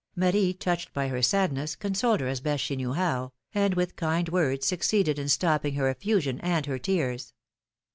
Marie, touched by her sadness, consoled her as best she knew how, and with kind words succeeded in stopping her effusion and her tears.